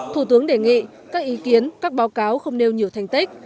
thủ tướng đề nghị các ý kiến các báo cáo không nêu nhiều thành tích